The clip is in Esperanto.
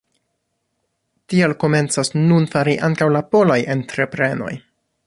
Tiel komencas nun fari ankaŭ la polaj entreprenoj.